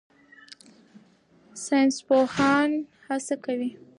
ساینسپوهان هڅه کوي.